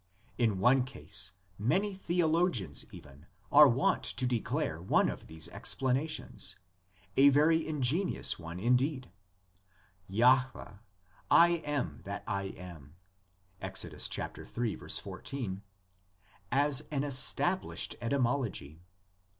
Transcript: In one case many theologians even are wont to declare one of these explanations, a very ingenious one indeed (Jahveh = "I am that I am," Ex. iii. 14) as an established etymology.